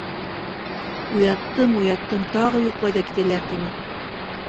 Уяттым-уяттым, тағы йоҡлай ҙа китәләр, - тине.